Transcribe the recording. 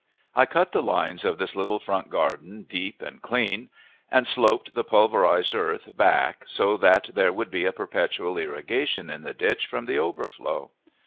I cut the lines of this little front garden deep and clean, and sloped the pulverized earth back so that there would be a perpetual irrigation in the ditch from the overflow.